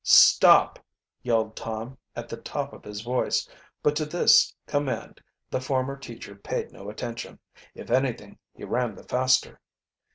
"Stop!" yelled Tom, at the top of his voice, but to this command the former, teacher paid no attention. If anything, he ran the faster.